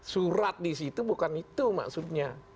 surat di situ bukan itu maksudnya